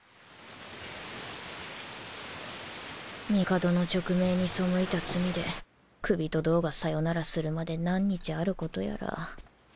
帝の勅命に背いた罪で首と胴がさよならするまで何日あることやら